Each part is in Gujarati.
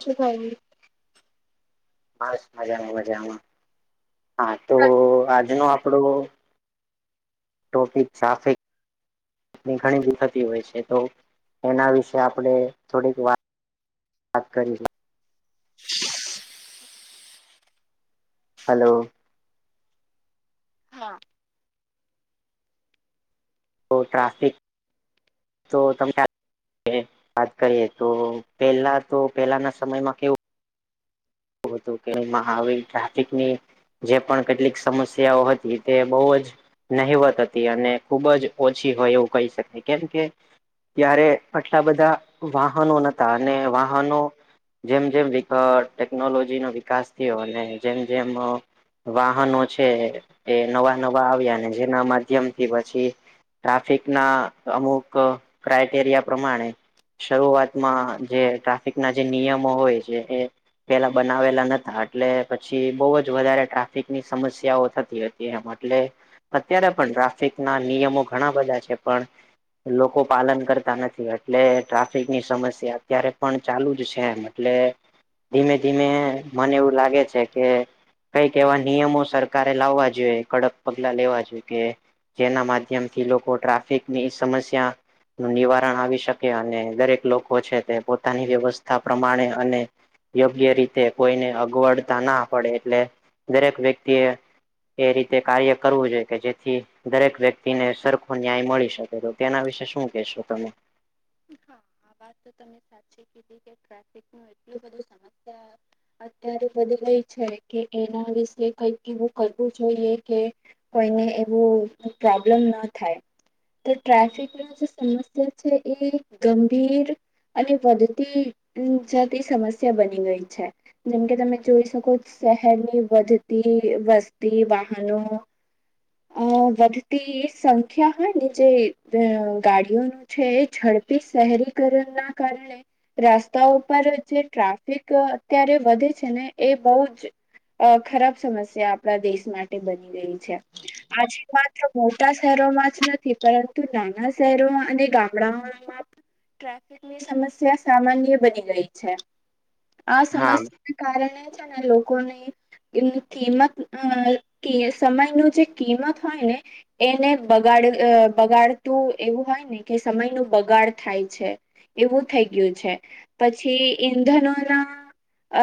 શું ખાય બસ મજામાં મજામાં હા તો આજનો આપડો ટોપિક ટ્રાફિક ઘણી બી થતી હોય છે તો એના વિશે આપણે થોડીક વાત વાત કરી છે હેલો હા તો ટ્રાફિક તો ત વાત કરીએ તો પેલા તો પેલાના સમયમાં કેવું હતું કે એમાં આવી ટ્રાફિકની જે પણ કેટલીક સમસ્યાઓ હતી તે બહુ જ નહીવત હતી અને ખુબ જ ઓછી હોય એવું કહી શકાય કેમકે ત્યારે આટલા બધા વાહનો નતા અને વાહનો જેમ જેમ વિકટ ટેકનોલોજીનો વિકાસ થયો અને જેમ જેમ વાહનો છે એ નવા નવા આવ્યાને જેના માધ્યમથી પછી ટ્રાફિક ના અમુક ક્રાઈટેરિયા પ્રમાણે શરૂઆતમાં જે ટ્રાફિક ના જે નિયમો હોય છે એ પેલા બનાવેલા નતા એટલે પછી બહુ જ વધારે ટ્રાફિકની સમસ્યાઓ થતી હતી એમ એટલે અત્યારે પણ ટ્રાફિકના નિયમો ઘણા બધા છે પણ લોકો પાલન કરતા નથી એટલે ટ્રાફિકની સમસ્યા અત્યારે પણ ચાલુ જ છે એમ એટલે ધીમે-ધીમે મને એવું લાગે છે કે કઈક એવા નિયમો સરકારે લાવવા જોઈએ કડક પગલા લેવા જોઈએ કે જેના માધ્યમ થી લોકો ટ્રાફિકની સમસ્યા નું નિવારણ આવી શકે અને દરેક લોકો છે તે પોતાની વ્યવસ્થા પ્રમાણે અને યોગ્ય રીતે કોઈને અગવડતા ના પડે એટલે દરેક વ્યક્તિ એ એ રીતે કાર્ય કરવું જોઈએ કે જેથી દરેક વ્યક્તિને સરખો ન્યાય મળી શકે તો તેના વિશે શું કેશો તમે હા આ વાત તો તમે સાચી કીધી કે ટ્રાફિક નું એટલું બધું સમસ્યા અત્યારે બધુ ગઈ છે કે એના વિશે કઈક એવું કરવું જોઈએ કે કોઈને એવું પ્રોબ્લેમ ન થાય તો ટ્રાફિકની જે સમસ્યા છે એ ગંભીર અને વધતી જતી સમસ્યા બની ગઈ છે જેમ કે તમે જોઈ શકો શહેરની વધ તી અ વસ્તી વાહનો અ વધતી સંખ્યા હોય ને જે અ અ ગાડીઓનું છે ઝડપી શહેરી‌ કરણ ના કારણે રસ્તા ઉપર જે ટ્રાફિક અત્યારે વધે છે ને એ બહુ જ અ ખરાબ સમસ્યા આપણા દેશ માટે બની રઈ છે આજે માત્ર મોટા શહેરોમાં જ નથી પરંતુ નાના શહેરોમાં અને ગામ [unintelligible] ટ્રાફિકની સમસ્યા સામાન્ય બની ગઈ છે. આ હા સમસ્યા કારણે છે ને લોકોની કિંમત અ કે સમય નું જે કિંમત હોય ને એને બગાડ અ બગાડતું એવું હોય ને કે સમયનું બગાડ થાય છે એવું થઈ ગયું છે પછી ઈંધ નો ના અ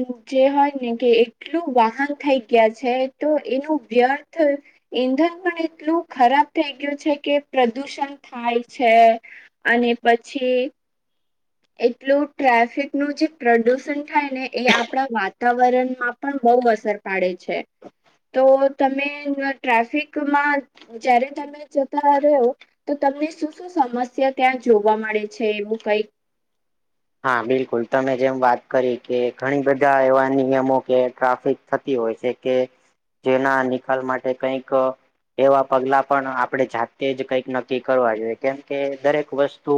ઉ જે હોય ને કી એક કેટલું વાહન થઈ ગયા છે તો એનું વ્યર્થ ઈંધન પણ એટલું ખરાબ થઈ ગયું છે કે પ્રદુષણ થાય છે અને પછી એટલું ટ્રાફિક નું જે પ્રદુષણ થાય ને એ આપણા વાતાવરણમાં પણ બહુ અસર પાડે છે તો તમે ટ્રાફિકમાં જયારે તમે જતા રહ્યો તો તમને શું શું સમસ્યા ક્યાં જોવા મળે છે એવું કંઇક હા બિલકુલ તમે જેમ વાત કરી કે ઘણી બધા એવા નિયમો કે ટ્રાફિક થતી હોય છે કે જેના નિકાલ માટે કઈક એવા પગલા પણ આપણે જાતે જ કઈક નક્કી કરવા જોઈએ કેમકે દરેક વસ્તુ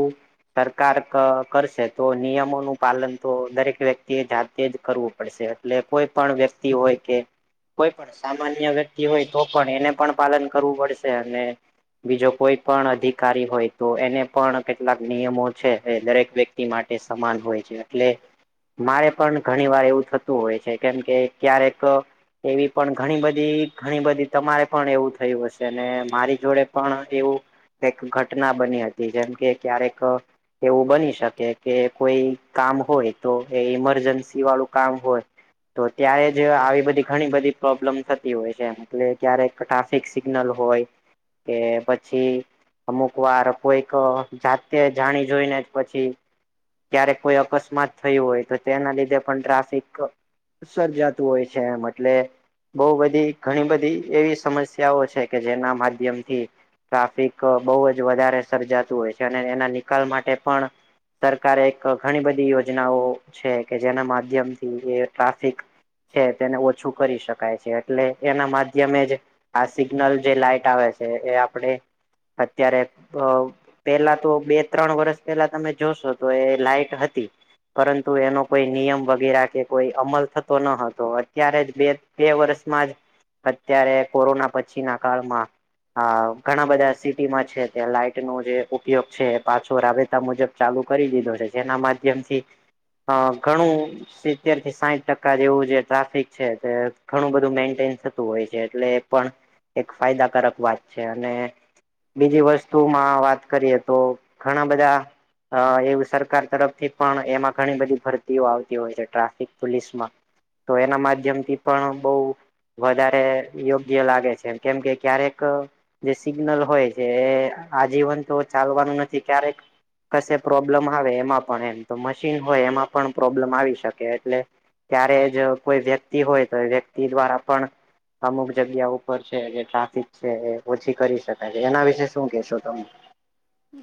સરકાર ક કરશે તો નિયમોનું પાલન તો દરેક વ્યક્તિએ જાતે જ કરવું પડશે એટલે કોઈ પણ વ્યક્તિ તિ હોય કે કોઈ પણ સામાન્ય વ્યક્તિ હોય તો પણ એને પણ પાલન કરવું પડશે અને બીજો કોઈ પણ અધિકારી હોય તો એને પણ કેટલાક નિયમો છે દરેક વ્યક્તિ માટે સમાન હોય છે એટલે મારે પણ ઘણી વાર એવું થતું હોય છે કેમ કે ક્યારેક એવી પણ ઘણી બધી ઘણી બધી તમારે પણ એવું થયું હશે ને મારી જોડે પણ એવું એક ઘટના બની હતી જેમ કે ક્યારેક એવું બની શકે કે કે કોઈ કામ હોય તો એ ઇમરજન્સી વાળું કામ હોય તો ત્યા એ જ આવી બધી ઘણી બધી પ્રોબ્લેમ થતી હોય છે એટલે ક્યારેક ટ્રાફિક સિગ્નલ હોય કે પછી અમુક વાર કોઈક જાતે જાણી જોઈને જ પછી ક્યારેક કોઈ અકસ્માત થયું હોય તો તેના લીધે પણ ટ્રાફિક સર્જાતું હોય છે એમ એટલે બહુ બધી ઘણી બધી એવી સમસ્યાઓ છે કે જેના માધ્યમ થી ટ્રાફિક બહુ જ વધારે સર્જાતું હોય છે અને એના નિકાલ માટે પણ સરકારે એક ઘણી બધી યોજનાઓ છે કે જેના માધ્યમથી ટ્રાફિક છે તેને ઓછું કરી શકાય છે એટલે એના માધ્યમે જ આ સિગ્નલ જે લાાઈટ આવે છે એ આપણે અત્યારે અ પેલા તો બે ત્રણ વર્ષ પેલા તમે જોશો તો એ લાઈટ હતી પરંતુ એનો કોઈ નિયમ વગેરે કે કોઈ અમલ થતો ન હતો અત્યારે જ બે બે વર્ષમાં જ અત્યારે કોરોના પછીના કાળમાં આ ઘણા બધા સિટીમાં છે ત્યા લાઈટ નો જે ઉપયોગ છે પાછો રાબેતા મુજબ ચાલુ કરી દીધો છે જેના માધ્યમથી અ ઘણું સિત્તેર થી સાઈઠ ટકા જેવું જે ટ્રાફિક છે તે ઘણું બધું મેન્ટેન થતું હોય છે એટલે પણ એક ફાયદાકારક વાત છે અને બીજી વસ્તુમાં વાત કરીએ તો ઘણા બધા અ એવું સરકાર તરફથી પણ એમાં ઘણી બધી ભરતીઓ આવતી હોય છે ટ્રાફિક પોલીસ માં તો એના માધ્યમ થી પણ બઉ વધારે યોગ્ય લાગે છે કેમ કે ક્યારેક જે સિગ્નલ હોય છે આજીવન તો ચાલવાનું નથી ક્યારેક કશે પ્રોબ્લમ આવે એમાં પણ એમ તો મશીન હોય એમાં પણ પ્રોબ્લેમ આવી શકે એટલે. ત્યારે જ કોઈ વ્યક્તિ હોય તો વ્યક્તિ દ્વારા પણ અમુક જગ્યા ઉપર છે જે ટ્રાફિક છે એ ઓછી કરી શકાય છે એના વિશે શું કેહેશો તમે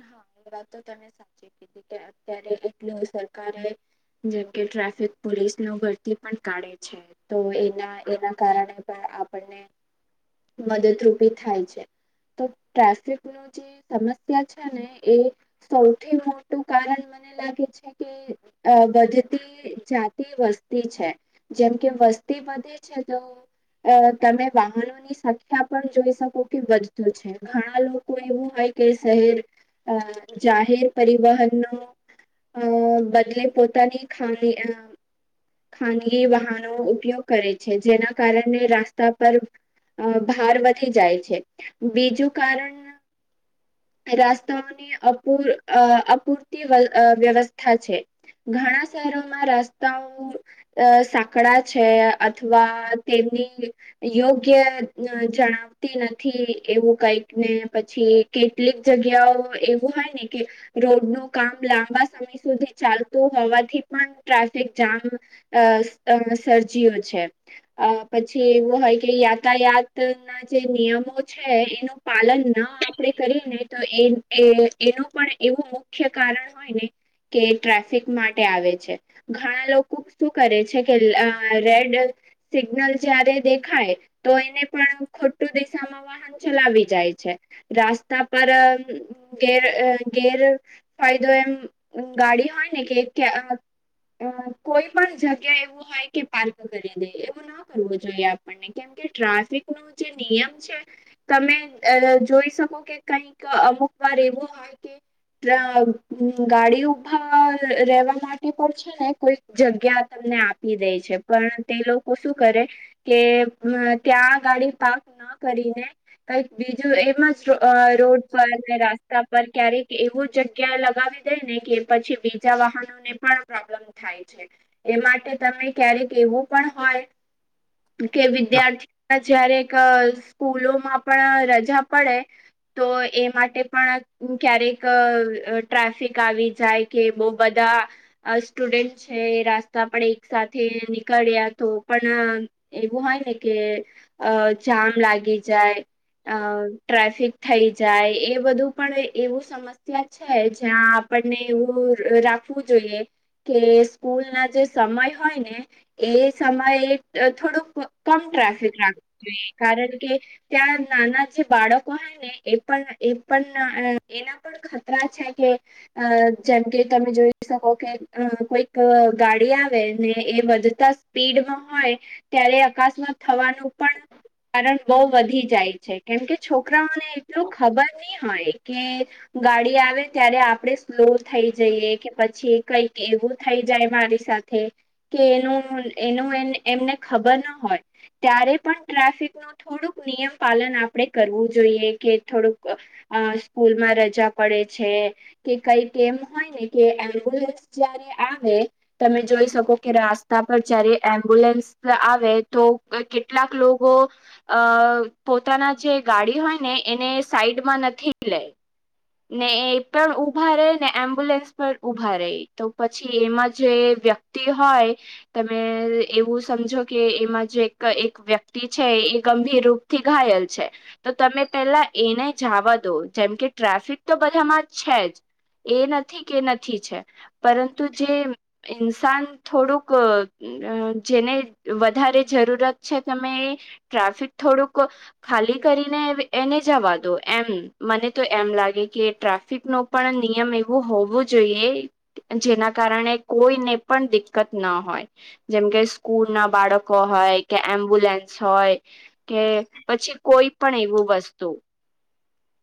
હા એ વાત તો તમે સાચી કીધી કે અત્યારે એટલું સરકારે જેમકે ટ્રાફિક પોલીસ નો ભરતી પણ કાઢે છે. તો એના એના કારણે પણ આપણને મદદરૂપી થાય છે તો ટ્રાફિક નુ જે સમ ત્યાં છે ને એ સૌથી મોટું કારણ મને લાગે છે કે આ વધતી જાતિ વસ્તી છે જેમ કે વસ્તી વધે છે તો અ તમે વાહનોની સંખ્યા પણ જોઈ શકો કે વધુ છે. ઘણા લોકો એવું હોય કે શહેર અ જાહેર પરિવહન નો અ બદલે પોતાની ખામ અ ખાનગી વાહનો ઉપયોગ કરે છે જેના કારણે રાસ્તા પર અ ભાર વધી જાય છે બીજું કારણ રાસ્તાઓની અપૂર અ અપૂરતી અ વ્યવસ્થા છે. ઘણા શહેરોમાં રસ્તાઓ અ સાંકડા છે અથવા તેમની યોગ્ય જણાવતી નથી એવું કઈક ને પછી કેટલીક જગ્યાઓ એવું હોય ને કે રોડ નું કામ લાંબા સમય સુધી ચાલતું હોવાથી પણ ટ્રાફિક જામ અઅ સર્જયો છે અ પછી એવું હોય કે યાતાયાત જે નિયમો છે એનું પાલન ના આપ આપણે કરીએ ને તો એ એનું પણ એવું મુખ્ય કારણ હોય ને કે ટ્રાફિક માટે આવે છે. ઘણા લોકો શું કરે છે કે અ રેડ સિગ્નલ જયારે દેખાય તો એને પણ ખોટું દિશામાં હ ચલાવી જાય છે રાસ્તા પર ઘેર ગેર ફાયદો એમ ગાડી હોય ને કે અ કોઈ પણ જગ્યા એવું હોય કે પાર્ક કરી દે એવું જોઈએ આપણ કેમ કે ટ્રાફિક નો જે નિયમ છે તમે અ જોઈ શકો કે કઈક અમુક વાર એવું હોય કે ગાડી ઉભા રહેેવા માટે પણ છે. ને કોઈ જગ્યા તમને આપી દે છે પણ તે લોકો શું કરે? કે ત્યાં ગાડી પાર્ક ન કરીને કઈક બીજું એમાં રોડ પર રસ્તા પર ક્યારેક એવું જગ્યા લગાવી દે ને કે પછી બી ત્યાં વાહનો ને પણ પ્રોબ્લેમ થાય છે. એ માટે તમે ક્યારેક એવું પણ હોય. કે વિદ્યાર્થી જયારેક સ્કૂલોમાં પણ રજા પડે. તો એ માટે પણ ક્યારેક ટ્રાફિક આવી જાય કે બહુ બધા સ્ટુડન્ટ છે રાસ્તા પણ એક સાથે નીકળ્યા તો પણ એવું હોય ને કે જામ લાગી જાય અ ટ્રાફિક થઈ જાય એ બધું પણ એવું સમ છે જ્યાં આપણને એવું રાખવું જોઈએ. કે સ્કૂલ ના જે સમય હોય ને એ સમયે થોડુંક કમ ટ્રાફિક રાખ જોઈએ કારણ કે ત્યાં નાના જે બાળક ને એ પણ એ પણ એના પણ ખતરા છે કે, અ જેમ કે તમે જોઈ શકો કે અ કોઈક ગાડી આવે ને એ વધતા સ્પીડમાં હોય ત્યારે અકસ્માત થવાનું પણ કારણ બહુ વધી જાય છે કેમકે છોકરાઓને એટલું ખબર નહી હોય કે ગાડી આવે ત્યારે આપડે સ્લો થઈ જઈએ કે પછી કંઈક એવું થઈ જાય મારી સાથે કે એનું એનું એમને ખબર ના હોય. ત્યારે પણ ટ્રાફિક નું થોડુંક નિયમ પાલન આપણેે કરવું જોઈએ કે થોડુંક અ સ્કૂલમાં રજા પડે છે. કે કઈક એમ હોય ને કે એમ્બ્યુલન્સ જયારે આવે. તમે જોઈ શકો કે રાસ્તા પર જયારે એમ્બ્યુલન્સ આવે તો કેટલાક લોકો અ પોતાના જે ગાડી હોય ને એને સાઈડમાં નથી લે. ને એ પણ ઉભા રહે ને એમ્બ્યુલન્સ પણ ઉભા રહે તો પછી એમાં જે વ્યક તી હોય. તમે એવું સમજો કે એમાં જે એક એક વ્યક્તિ છે એ ગંભીર રૂપ થી ઘાયલ છે. તો તમે પેલા એને જવા દો જેમ કે ટ્રાફિક તો બધામાં છે જ. એ નથી કે નથી છે પરંતુ જે, ઇન્સાન થોડુંક જેને વધારે જરૂરત છે તમે એ ટ્રાફિક થોડુંક ખાલી કરીને એને જવા દો એમ મને તો એમ લાગે કે ટ્રાફિક નો પણ નિયમ એવું હોવું જોઈએ. જેના કારણે કોઈને પણ દિકકત ના હોય. જેમ કે સ્કૂલ ના બાળકો હોય કે એમ્બ્યુલન્સ હોય. કે પછી કોઈ પણ એવું વસ્તુ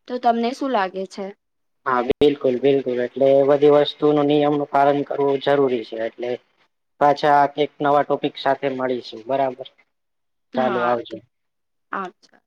તો તમને શું લાગે છે? હા બિલકુલ બિલકુલ એટલે બધી વસ્તુ નો નિયમ નો પાલન કરવું જરૂરી છે એટલે પાછા આ એક નવા ટોપિક સાથે મળીશું બરાબર. ચાલુ હા આવજો [inaudible]